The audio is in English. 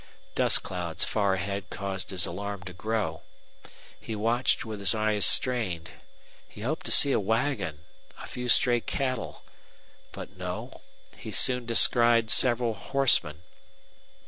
Dust clouds far ahead caused his alarm to grow. He watched with his eyes strained; he hoped to see a wagon, a few stray cattle. But no, he soon descried several horsemen.